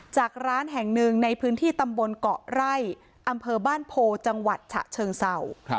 จากร้านแห่งหนึ่งในพื้นที่ตำบลเกาะไร่อำเภอบ้านโพจังหวัดฉะเชิงเศร้า